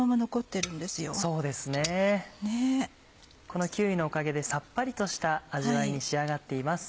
このキーウィのおかげでさっぱりとした味わいに仕上がっています。